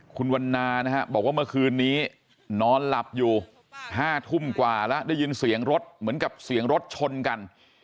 คุณวันนานะฮะบอกว่าเมื่อคืนนี้นอนหลับอยู่๕ทุ่มกว่าแล้วได้ยินเสียงรถเหมือนกับเสียงรถชนกัน